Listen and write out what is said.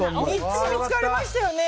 ３つ見つかりましたよね。